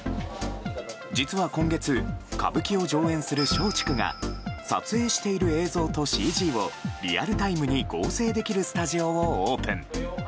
実は今月歌舞伎を上演する松竹が撮影している映像とＣＧをリアルタイムに合成できるスタジオをオープン。